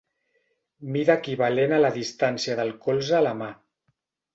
Mida equivalent a la distància del colze a la mà.